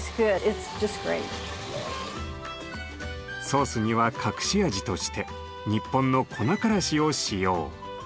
ソースには隠し味として日本の粉からしを使用。